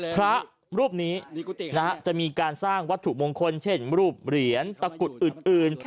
พระรูปนี้จะมีการสร้างวัตถุมงคลเช่นรูปเหรียญตะกุดอื่น